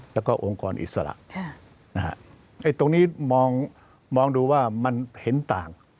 แล้วก็องค์กรอิสระตรงนี้มองดูว่ามันเห็นต่าง